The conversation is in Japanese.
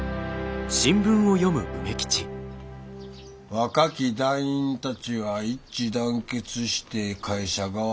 「若き団員たちは一致団結して会社側と闘う決意」。